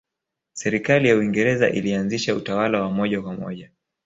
Serikali ya Uingereza ilianzisha utawala wa moja kwa moja